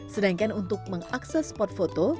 sedangkan untuk mengakses spot foto